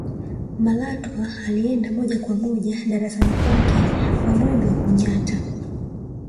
malatwa alienda moja kwa moja darasani kwake kwa mwendo wa kunyata